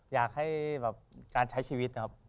อยากให้แบบการใช้ชีวิตนะครับ